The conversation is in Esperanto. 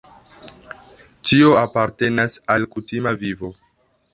Tio apartenas al kutima vivo.